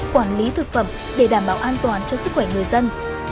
quản lý thực phẩm để đảm bảo an toàn cho sức khỏe người dân